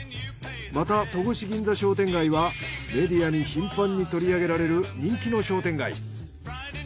また戸越銀座商店街はメディアに頻繁に取り上げられる人気の商店街。